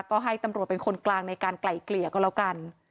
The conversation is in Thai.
ก็ให้ตำรวจเป็นคนกลางในการไกล่เกลี่ยก็แล้วกัน